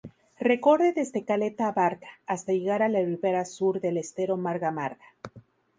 Recorre desde Caleta Abarca hasta llegar a la ribera sur del Estero Marga Marga.